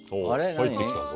入ってきたぞ。